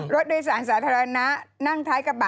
รถโดยสารสาธารณะนั่งท้ายกระบะ